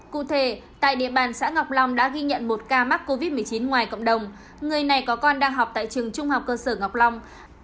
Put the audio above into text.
cụ thể tại địa bàn xã ngọc long đã ghi nhận một ca mắc covid một mươi chín ngoài cộng đồng người này có con đang học tại trường trung học cơ sở ngọc long